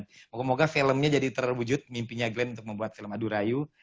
semoga moga filmnya jadi terwujud mimpinya glenn untuk membuat film adurayu